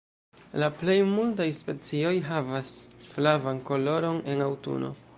La plej multaj specioj havas flavan koloron en aŭtuno.